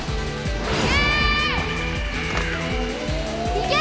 いけ！